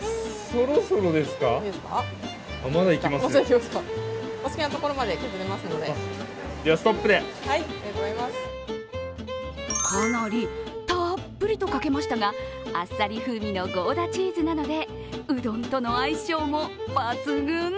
かなりたっぷりとかけましたが、あっさり風味のゴーダチーズなのでうどんとの相性も抜群。